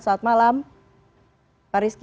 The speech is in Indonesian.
selamat malam pak rizki